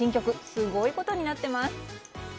すごいことになっています。